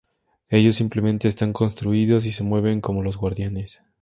Ellos simplemente están construidos y se mueven como los Guardianes.